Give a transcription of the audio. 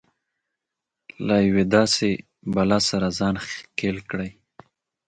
له يوې داسې بلا سره ځان ښکېل کړي.